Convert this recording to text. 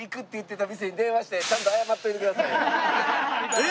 えっ？